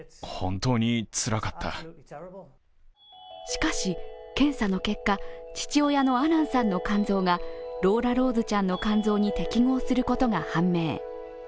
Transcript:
しかし、検査の結果、父親のアランさんの肝臓がローラローズちゃんの肝臓に適合することが判明。